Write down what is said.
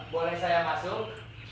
boleh saya masuk